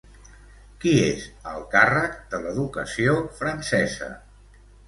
Qui és al càrrec de l'educació francesa?